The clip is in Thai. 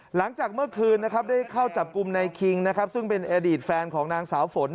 หลังจากเมื่อคืนได้เข้าจับกลุ่มในคิงซึ่งเป็นอดีตแฟนของนางสาวฝน